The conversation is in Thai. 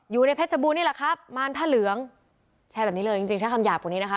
อยู่ในเพชรบูรณนี่แหละครับมารผ้าเหลืองแชร์แบบนี้เลยจริงจริงใช้คำหยาบกว่านี้นะคะ